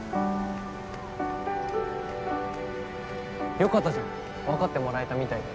よかったじゃんわかってもらえたみたいで。